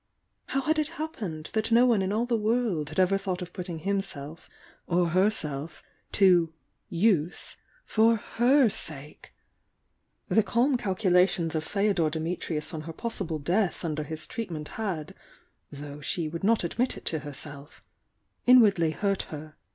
How had it happened that no one in all the world had ever thought of puttmg himself (or herself) to "use" for H.r sake! The calm calculations of Feodor Dimitnus on her possi ble death under his treatment had (though she would not admit it to herself) inwardly hurt her.